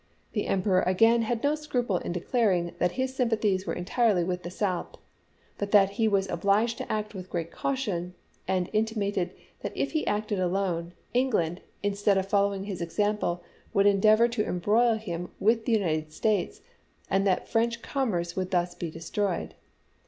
The Emperor again had no scruple in declaring that his sympathies were entirely with the South ; but that he was obliged to act with great caution, and intimated that if he acted alone, England, instead of following his example, would endeavor to embroil him with the United States and that French commerce would thus be destroyed.